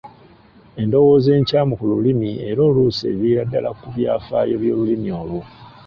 Endowooza enkyamu ku lulimi era oluusi eviira ddala ku byafaayo by'olulimi olwo.